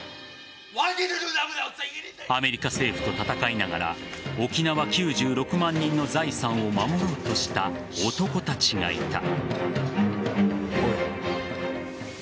アメリカ政府と戦いながら沖縄９６万人の財産を守ろうとした男たちがいた。